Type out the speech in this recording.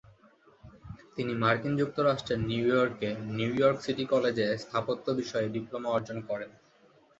তিনি মার্কিন যুক্তরাষ্ট্রের নিউ ইয়র্কে নিউ ইয়র্ক সিটি কলেজে স্থাপত্য বিষয়ে ডিপ্লোমা অর্জন করেন।